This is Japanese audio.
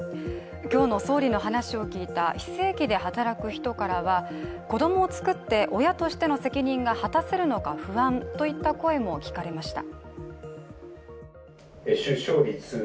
今日の総理の話を聞いた非正規で働く人からは子どもを作って親としての責任が果たせるのか不安といった声も聞かれました。